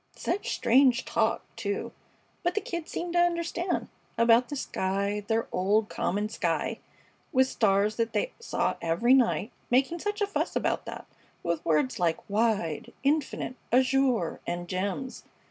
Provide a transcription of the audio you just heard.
Such strange talk, too! But the Kid seemed to understand. About the sky their old, common sky, with stars that they saw every night making such a fuss about that, with words like "wide," "infinite," "azure," and "gems."